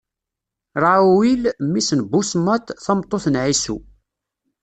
Raɛuwil, mmi-s n Busmat, tameṭṭut n Ɛisu.